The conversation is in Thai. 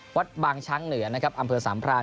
วัดบางช้างเหนือเอามเปิดสามพราน